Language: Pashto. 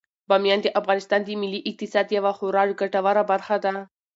بامیان د افغانستان د ملي اقتصاد یوه خورا ګټوره برخه ده.